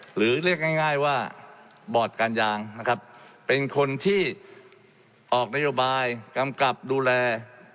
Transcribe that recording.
หรือเรียกง่ายว่าบอร์ดการยางนะครับเป็นคนที่ออกนโยบายกำกับดูแล